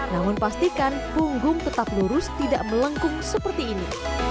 namun pastikan punggung tetap lurus tidak melengkung seperti ini